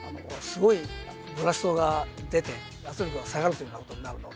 すごいブラストが出て圧力が下がるというようなことになるので。